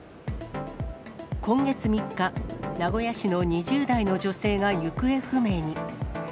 今月３日、名古屋市の２０代の女性が行方不明に。